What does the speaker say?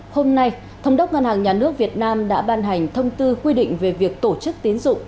hôm nay thống đốc ngân hàng nhà nước việt nam đã ban hành thông tư quy định về việc tổ chức tín dụng